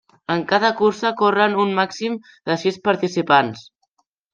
En cada cursa corren un màxim de sis participants.